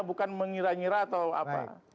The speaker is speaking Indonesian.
bukan mengira ngira atau apa